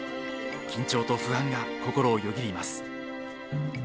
緊張と不安が心をよぎります。